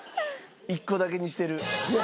１個だけにしてる。